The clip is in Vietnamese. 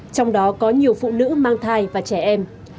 trong đó có nhiều phụ nữ mang thai và trẻ em